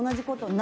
何？